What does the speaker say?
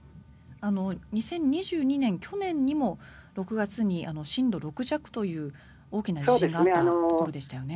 ２０２２年、去年にも６月に震度６弱という大きな地震があったところでしたよね。